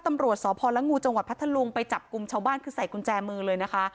ตำรวจสพละงูจังหวัดพัทธลุงไปจับกลุ่มชาวบ้านคือใส่กุญแจมือเลยนะคะ